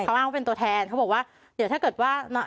อ้างว่าเป็นตัวแทนเขาบอกว่าเดี๋ยวถ้าเกิดว่า